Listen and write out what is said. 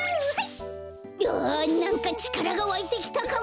あなんかちからがわいてきたかも。